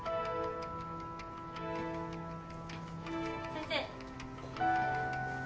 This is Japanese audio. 先生！